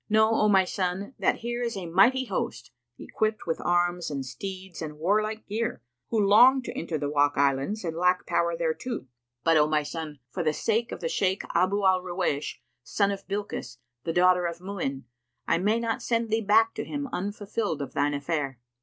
Know, O my son, that here is a mighty host,[FN#119] equipped with arms and steeds and warlike gear, who long to enter the Wak Islands and lack power thereto. But, O my son, for the sake of the Shaykh Abu al Ruwaysh, son of Bilkis,[FN#120] the daughter of Mu'in, I may not send thee back to him unfulfilled of thine affair.